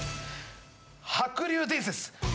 白竜伝説！